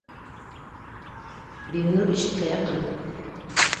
— Бибинур ишеккә яҡын